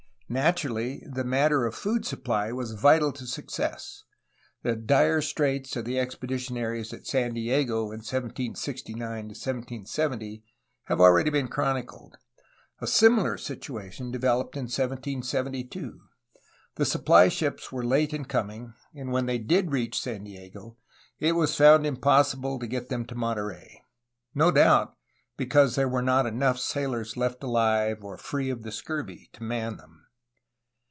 Naturally the matter of food supply was vital to success. The dire straits of the expeditionaries at San Diego in 1769 1770 have already been chronicled. A similar situation developed in 1772. The supply ships were late in coming, and when they did reach San Diego it was found impossible to get them to Monterey, — ^no doubt because there were not enough sailors left aUve or free of the scurvy to man them.